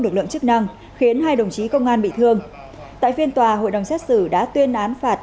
lực lượng chức năng khiến hai đồng chí công an bị thương tại phiên tòa hội đồng xét xử đã tuyên án phạt